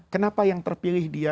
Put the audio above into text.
kenapa yang terpilih dia